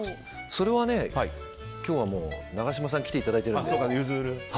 それは、今日はもう永島さんに来ていただいているので。